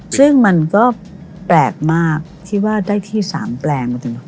ซึ่งมันก็แปลกมากที่ว่าได้ที่๓แปลงมาถึง๖๐